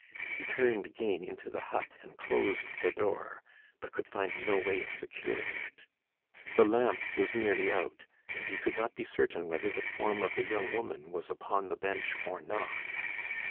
He turned again into the hut and closed the door, but could find no way of securing it. The lamp was nearly out, and he could not be certain whether the form of the young woman was upon the bench or not.